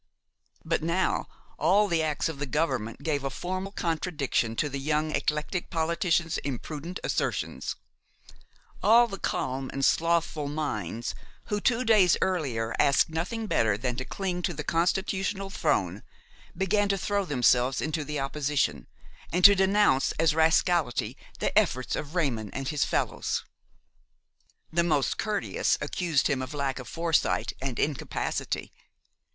But now all the acts of the government gave a formal contradiction to the young eclectic politician's imprudent assertions; all the calm and slothful minds who, two days earlier, asked nothing better than to cling to the constitutional throne, began to throw themselves into the opposition and to denounce as rascality the efforts of Raymon and his fellows. The most courteous accused him of lack of foresight and incapacity.